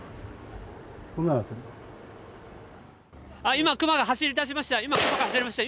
今、熊が走り出しました。